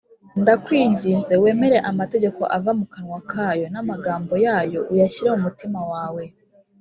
ndakwinginze wemere amategeko ava mu kanwa kayo, n’amagambo yayo uyashyire mu mutima wawe